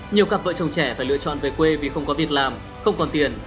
nhiều cặp vợ chồng trẻ phải lựa chọn về quê vì không có việc làm không còn tiền